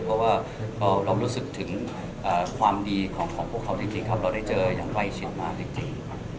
เรารู้สึกถึงความดีของพวกเขาเลยค่ะบอกเราได้เจออย่างไวชินมากเลยจริง